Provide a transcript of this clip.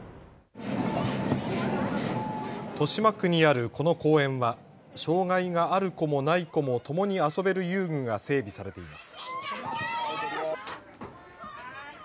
豊島区にあるこの公園は障害がある子も、ない子もともに遊べる遊具が整備されています。